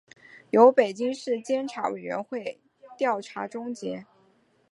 由北京市监察委员会调查终结